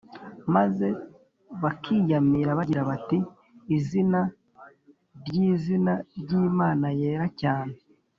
maze bakiyamira bagira bati izina ry iizina ry Imana yera cyane